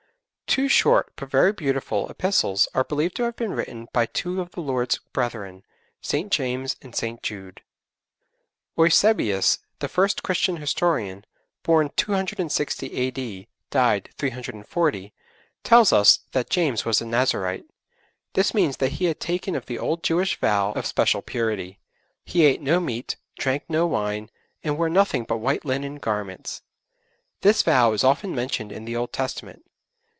Two short, but very beautiful, epistles are believed to have been written by two of the Lord's brethren, St. James and St. Jude. Eusebius, the first Christian historian born 260 A.D., died 340 tells us that James was a Nazarite. This means that he had taken the old Jewish vow of special purity; he ate no meat, drank no wine, and wore nothing but white linen garments. This vow is often mentioned in the Old Testament.